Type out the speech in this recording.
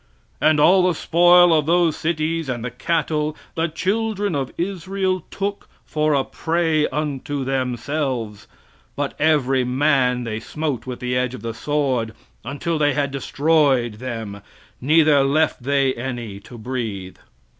"And all the spoil of those cities and the cattle, the children of Israel took for a prey unto themselves; but every man they smote with the edge of the sword, until they had destroyed them, neither left they any to breathe."